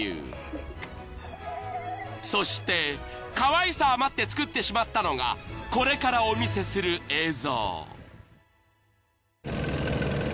［そしてかわいさ余って作ってしまったのがこれからお見せする映像］